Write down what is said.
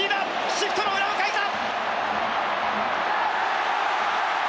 シフトの裏をかいた！